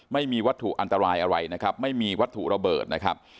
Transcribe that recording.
ไม่มีวัตถุอันตรายอะไรนะครับไม่มีวัตถุระเบิดนะครับ